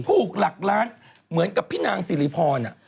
ถูกหลักล้านเหมือนกับพี่นางสิริพร